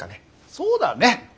そうだね。